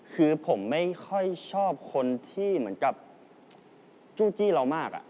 คือผมไม่ค่อยชอบคนที่เจ้าของจูฌี่เรามาก